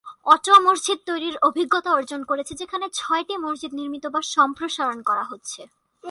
Ottawa মসজিদ তৈরির অভিজ্ঞতা অর্জন করছে যেখানে ছয়টি মসজিদ নির্মিত বা সম্প্রসারণ করা হচ্ছে।